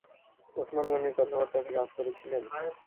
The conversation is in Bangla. ওসমান গনির কথাবার্তা থেকে আঁচ করেছিলেন?